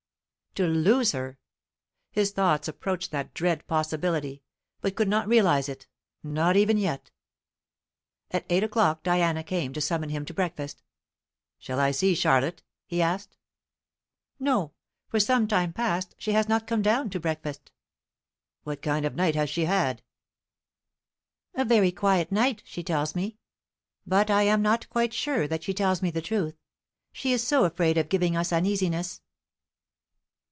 To lose her! His thoughts approached that dread possibility, but could not realize it; not even yet. At eight o'clock Diana came to summon him to breakfast. "Shall I see Charlotte?" he asked. "No; for some time past she has not come down to breakfast." "What kind of night has she had?" "A very quiet night, she tells me; but I am not quite sure that she tells me the truth, she is so afraid of giving us uneasiness."